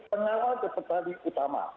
pengawal dan petani utama